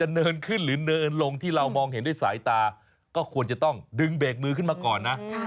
เนินขึ้นหรือเนินลงที่เรามองเห็นด้วยสายตาก็ควรจะต้องดึงเบรกมือขึ้นมาก่อนนะ